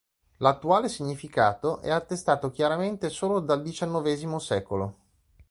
L'attuale significato è attestato chiaramente solo dal diciannovesimo secolo.